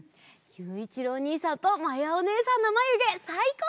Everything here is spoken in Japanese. ゆういちろうおにいさんとまやおねえさんのまゆげさいこう！